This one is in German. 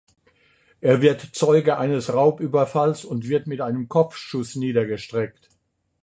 Er wird Zeuge eines Raubüberfalls und wird mit einem Kopfschuss niedergestreckt.